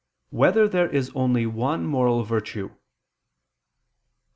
1] Whether There Is Only One Moral Virtue?